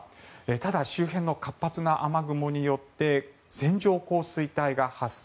ただ、周辺の活発な雨雲によって線状降水帯が発生。